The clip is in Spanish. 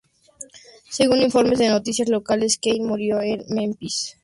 Según informes de noticias locales, Klein murió en Memphis debido a complicaciones de demencia.